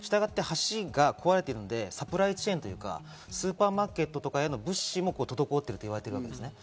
橋が壊れているので、サプライチェーンというか、スーパーマーケットとかへの物資も滞っているといわれています。